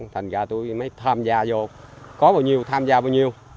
thành ra tôi mới tham gia vô có bao nhiêu tham gia bao nhiêu